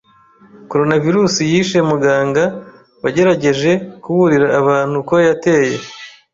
Coronavirus yishe muganga wagerageje kuburira abantu ko yateye